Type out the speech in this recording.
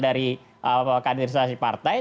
dari karakterisasi partai